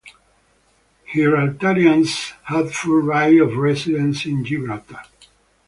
Gibraltarians have full right of residence in Gibraltar.